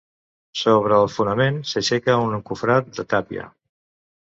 Sobre el fonament s'aixeca un encofrat de tàpia.